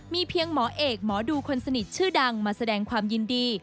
มีเพียงหมอเอกหมอดูคนสนิทชื่อดังมาแสดงความยินดี